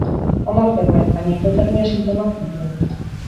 Ondo zegoen, baina hipotermia sintomak zituen.